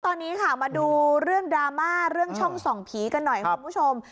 ตอนนี้ค่ะมาดูเรื่องดราม่าเรื่องช่องส่องผีกันหน่อยคุณผู้ชม